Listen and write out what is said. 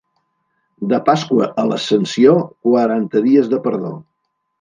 De Pasqua a l'Ascensió, quaranta dies de perdó.